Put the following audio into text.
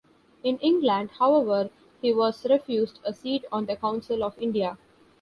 In England, however, he was refused a seat on the Council of India.